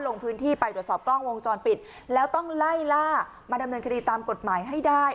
ลงพื้นที่ไปตรวจสอบกล้องวงจรปิดแล้วต้องไล่ล่ามาดำเนินคดีตามกฎหมายให้ได้